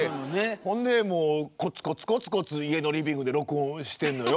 ほんでもうコツコツコツコツ家のリビングで録音してんのよ。